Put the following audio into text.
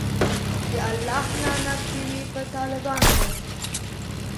د الله لعنت دی وی په ټالبانو